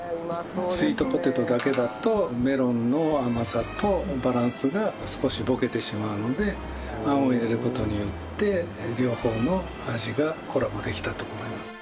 スイートポテトだけだとメロンの甘さとバランスが少しぼけてしまうのであんを入れる事によって両方の味がコラボできたと思います。